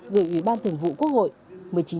gửi ủy ban thường vụ quốc hội